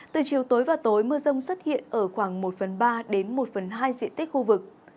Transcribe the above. từ chiều tối và tối mưa rông xuất hiện ở khoảng một phần ba đến một phần hai diện tích khu vực